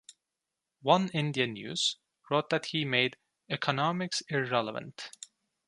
"Oneindia News" wrote that he made "economics irrelevant".